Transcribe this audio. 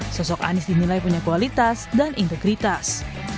sosok anies dinilai punya kualitas dan integritas